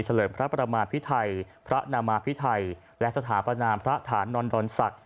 เลิมพระประมาพิไทยพระนามาพิไทยและสถาปนามพระฐานนอนดอนศักดิ